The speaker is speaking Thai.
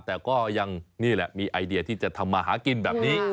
แต่ก็ยังนี่แหละมีไอเดียที่จะทำมาหากินแบบนี้